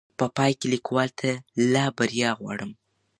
په پاى کې ليکوال ته لا بريا غواړم